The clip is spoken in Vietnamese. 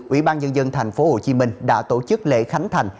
ủy ban dân dân thành phố hồ chí minh đã tổ chức lễ khánh thành